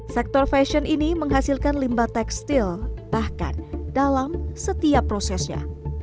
sektor fashion ini menghasilkan limbah tekstil bahkan dalam setiap prosesnya